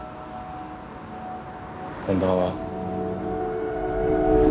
こんばんは。